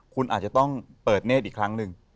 คุณอาจจะต้องเปิดเนธอีกครั้งหนึ่ง